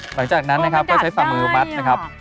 หลังจากนั้นนะครับก็ใช้ฝ่ามือมัดนะครับ